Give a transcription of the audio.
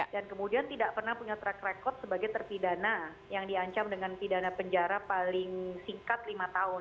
dan kemudian tidak pernah punya track record sebagai terpidana yang diancam dengan pidana penjara paling singkat lima tahun